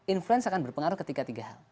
influence akan berpengaruh ketiga tiga hal